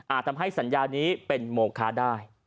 ทำให้สัญญานี้เป็นโมคะได้